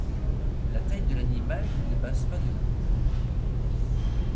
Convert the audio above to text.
La taille de l'animal ne dépasse pas de long.